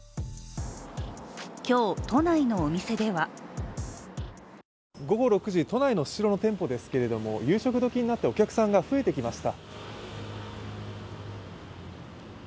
今日、都内のお店では午後６時、都内のスシローの店舗ですけれども夕食時になってお客さんが増えてきました。